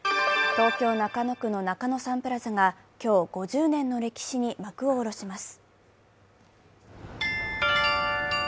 東京・中野区の中野サンプラザが今日、５０年の歴史に幕を下ろします。